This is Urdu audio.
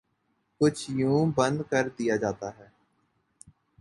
کچھ یوں بند کردیا جاتا ہے